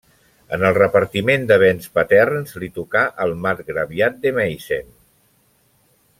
En el repartiment de béns paterns li tocà el Marcgraviat de Meissen.